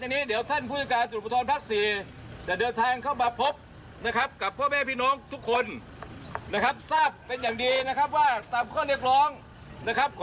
ตรงสุภาพอยู่นะครับ